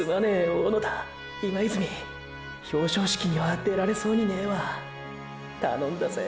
小野田今泉表彰式には出られそうにねェわたのんだぜ・